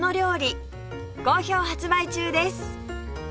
好評発売中です